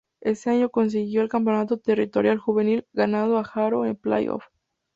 Ese año consiguió el Campeonato Territorial Juvenil, ganando a Haro en el Play Off.